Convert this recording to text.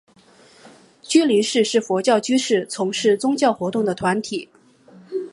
居士林是佛教居士从事宗教活动的团体。